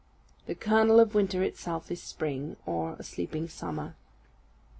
The kernel of winter itself is spring, or a sleeping summer.